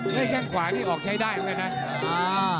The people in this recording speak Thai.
ในแก้งขวานี่ออกใช้ได้มากนั้น่ะ